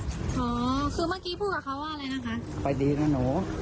กลัวไม่ช้าเพราะว่าต้องมาทำงาน